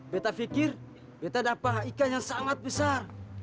betta pikir betta dapat ikan yang sangat besar